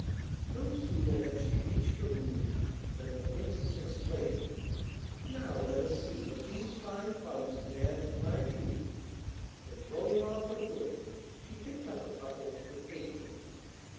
No sooner had she reached her room than the Princess exclaimed, 'Now let us see what these fine plums can add to my beauty,' and throwing off her hood, she picked up a couple and ate them.